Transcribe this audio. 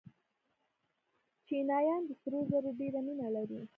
چینایان د سرو زرو ډېره مینه لري.